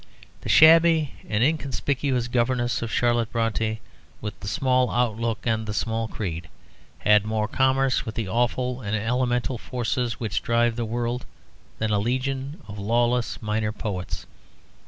The shabby and inconspicuous governess of Charlotte Brontë, with the small outlook and the small creed, had more commerce with the awful and elemental forces which drive the world than a legion of lawless minor poets.